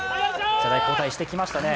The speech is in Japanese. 世代交代してきましたね。